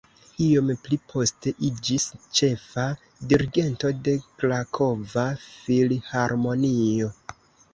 Iom pli poste iĝis ĉefa dirigento de Krakova Filharmonio.